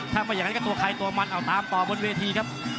ถ้าไม่อย่างนั้นก็ตัวใครตัวมันเอาตามต่อบนเวทีครับ